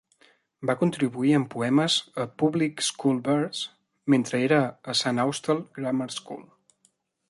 Va contribuir amb poemes a "Public School Verse", mentre era a Saint Austell Grammar School.